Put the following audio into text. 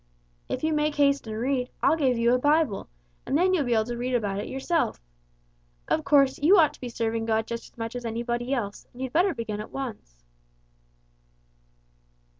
"If you make haste and read, I'll give you a Bible, and then you'll be able to read about it yourself. Of course you ought to be serving God just as much as anybody else, and you'd better begin at once!"